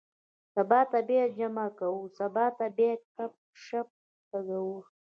سبا ته بیا جمعه کُو. سبا ته بیا ګپ- شپ لګوو.